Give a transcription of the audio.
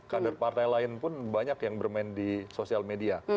kader partai lain pun banyak yang bermain di sosial media